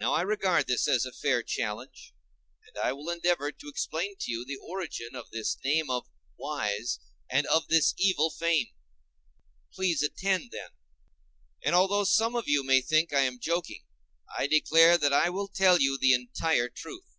Now I regard this as a fair challenge, and I will endeavor to explain to you the origin of this name of "wise," and of this evil fame. Please to attend them. And although some of you may think I am joking, I declare that I will tell you the entire truth.